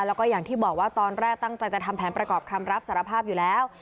แล้วก็อย่างที่บอกว่าตอนแรกตั้งใจจะทำแผนประกอบคำรับสารภาพอยู่แล้ว